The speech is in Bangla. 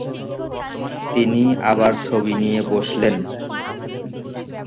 তিনি আবার ছবি নিয়ে বসলেন।